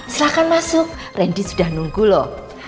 silahkan masuk randi sudah nunggu lu